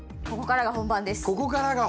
ここからが本番！